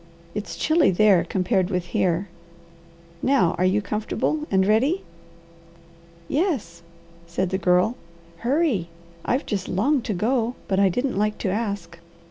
It's chilly there compared with here. Now are you comfortable and ready?" "Yes," said the Girl. "Hurry! I've just longed to go, but I didn't like to ask."